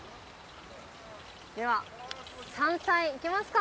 では山菜いきますか！